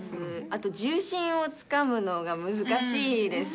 あと重心をつかむのが難しいです。